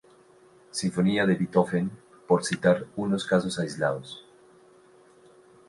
Sinfonía de Beethoven, por citar solo unos casos aislados.